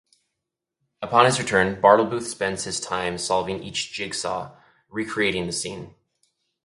Upon his return, Bartlebooth spends his time solving each jigsaw, re-creating the scene.